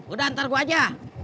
udah ntar gua aja